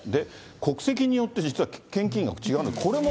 国籍によって、実は献金額違うんです。